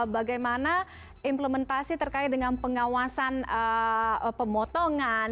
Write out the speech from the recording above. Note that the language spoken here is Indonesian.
bagaimana implementasi terkait dengan pengawasan pemotongan